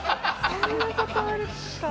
そんな事あるか。